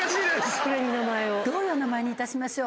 どういう名前にいたしましょう？